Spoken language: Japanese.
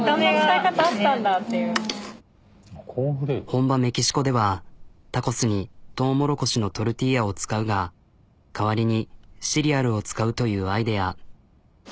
本場メキシコではタコスにトウモロコシのトルティーヤを使うが代わりにシリアルを使うというアイデア。